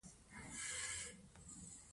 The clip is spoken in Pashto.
مور د کورنۍ د خوړو د تنوع پام ساتي.